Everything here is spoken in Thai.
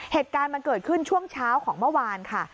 เหตุการณ์มันเกิดขึ้นช่วงเช้าของเมื่อวานค่ะ